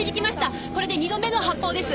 これで２度目の発砲です。